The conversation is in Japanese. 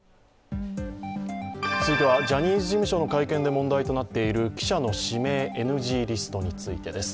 続いてはジャニーズ事務所の会見で問題となっている記者の指名ＮＧリストについてです。